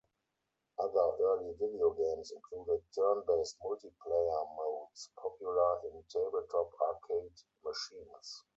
Other early video games included turn-based multiplayer modes, popular in tabletop arcade machines.